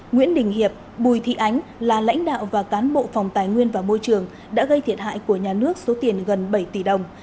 nguyễn đình hiệp bùi thị ánh là lãnh đạo và cán bộ phòng tài nguyên và môi trường đã gây thiệt hại của nhà nước số tiền gần bảy tỷ đồng